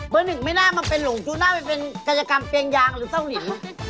เบอร์๑ไม่น่ามาเป็นหลงจูนะน่าเป็นกายกรรมเปลี่ยงยางหรือเซ่าหลิน